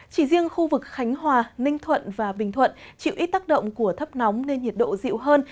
chỉ riêng khu vực khánh hòa ninh thuận và bình thuận chịu ít tác động của thấp nóng nên nhiệt độ dịu hơn